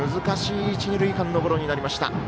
難しい一、二塁間のゴロになりました。